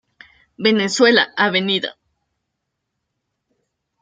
Venezuela, Av.